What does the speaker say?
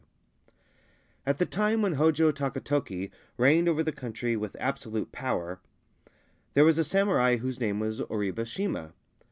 D. At the time when Hojo Takatoki reigned over the country with absolute power, there was a samurai whose name was Oribe Shima.